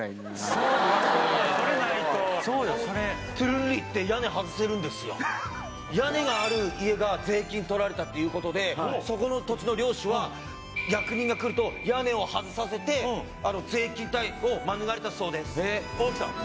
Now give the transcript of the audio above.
そっかそれないとそうよそれ屋根がある家が税金取られたっていうことでそこの土地の領主は役人が来ると屋根を外させて税金を免れたそうです